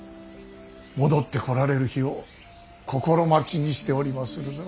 戻ってこられる日を心待ちにしておりまするぞ。